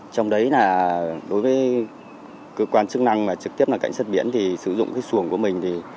trong đấy đối với cơ quan chức năng trực tiếp cảnh sát biển sử dụng xuồng của mình